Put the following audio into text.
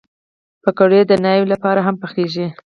پکورې د ناوې لپاره هم پخېږي